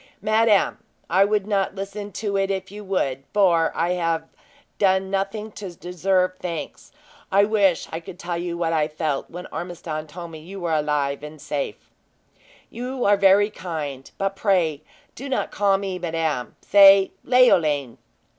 "Madame, I would not listen to you if you would; for I have done nothing to deserve thanks. I wish I could tell you what I felt when Ormiston told me you were alive and safe." "You are very kind, but pray do not call me madame. Say Leoline!"